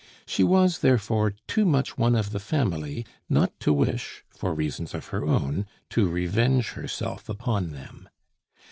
She was, therefore, too much one of the family not to wish, for reasons of her own, to revenge herself upon them.